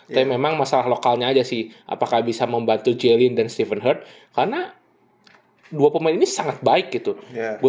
tapi memang masalah lokalnya aja sih apakah bisa membantu chilin dan stephen heart karena dua pemain ini sangat baik gitu